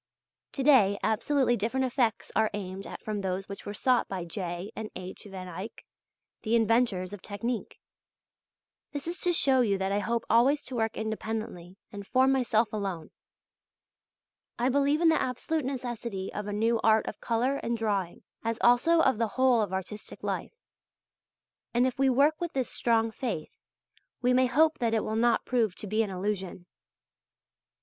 To day absolutely different effects are aimed at from those which were sought by J. and H. van Eyck, the inventors of technique. This is to show you that I hope always to work independently and for myself alone. I believe in the absolute necessity of a new art of colour and drawing, as also of the whole of artistic life. And if we work with this strong faith, we may hope that it will not prove to be an illusion.